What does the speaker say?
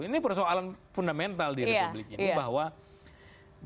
ini persoalan fundamental di republik ini